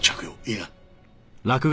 いいな？